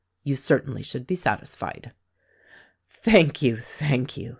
You certainly should be satisfied." "Thank you, thank you